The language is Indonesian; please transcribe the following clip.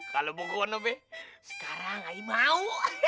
kalau pokoknya be sekarang ay mau